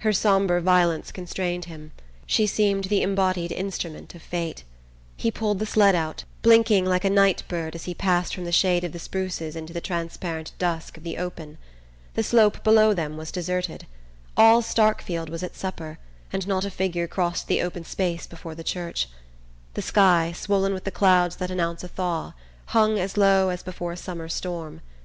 Her sombre violence constrained him: she seemed the embodied instrument of fate. He pulled the sled out, blinking like a night bird as he passed from the shade of the spruces into the transparent dusk of the open. The slope below them was deserted. All Starkfield was at supper, and not a figure crossed the open space before the church. The sky, swollen with the clouds that announce a thaw, hung as low as before a summer storm.